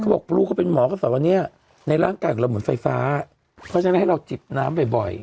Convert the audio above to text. เขาบอกลูกเขาเป็นหมอเขาสอนวันนี้ในร่างกายก็เหมือนไฟฟ้าเพราะฉะนั้นให้เราจริงน้ำบ่อย